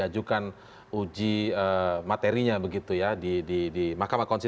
ap lalu berikuti